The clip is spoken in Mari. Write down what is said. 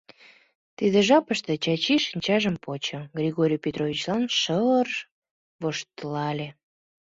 Тиде жапыште Чачи шинчажым почо, Григорий Петровичлан шыр-р воштылале.